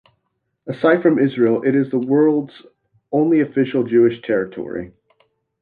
Aside from Israel, it is the world's only official Jewish territory.